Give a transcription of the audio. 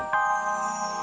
sampai jumpa di tv